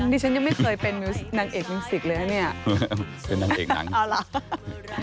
ดิฉันยังไม่เคยเป็นนางเอกมิวสิกเลยนะเนี่ย